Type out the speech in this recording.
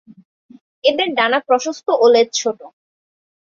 এদের ডানা প্রশস্ত ও লেজ ছোট।